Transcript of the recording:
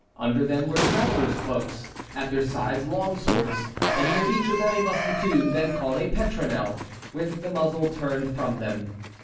Under them were travellers' cloaks, at their sides long swords, and near each of them a musketoon (then called a petronel) with the muzzle turned from them.